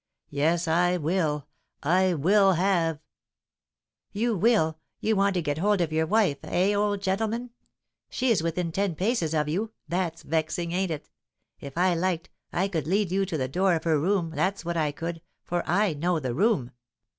Yes, I will I will have " "You will, you want to get hold of your wife, eh, old gentleman? She is within ten paces of you! that's vexing, ain't it? If I liked, I could lead you to the door of her room, that's what I could, for I know the room.